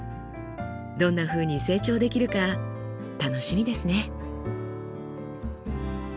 どんなふうに成長できるか楽しみですね。